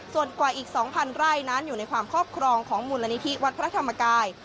ส่วนกว่าอีก๒๐๐ไร่นั้นอยู่ในความครอบครองของมูลนิธิวัดพระธรรมกาย